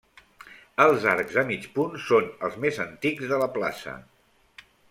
Els arcs de mig punt són els més antics de la plaça.